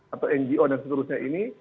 atau ngo dan seterusnya ini